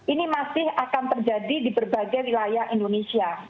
ini masih akan terjadi di berbagai wilayah indonesia